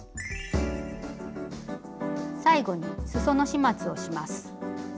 最後にすその始末をします。